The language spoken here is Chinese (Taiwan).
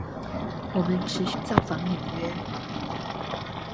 我們持續造訪紐約